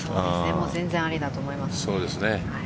全然ありだと思います。